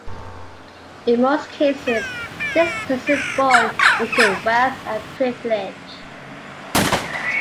In most cases, this person is born into wealth and privilege.